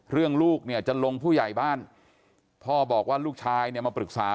ลูกเนี่ยจะลงผู้ใหญ่บ้านพ่อบอกว่าลูกชายเนี่ยมาปรึกษา